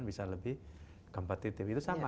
bisa lebih kompetitif itu sama